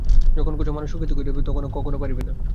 যন্ত্র কখনও মানুষকে সুখী করিতে পারে নাই, কখনও পারিবে না।